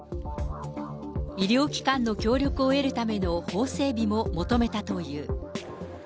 医療機関の協力を得るための法整備も求めたという。